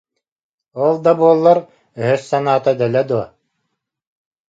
Ол да буоллар, өһөс санаата дэлэ дуо